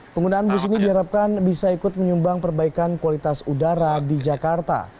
penggunaan bus ini diharapkan bisa ikut menyumbang perbaikan kualitas udara di jakarta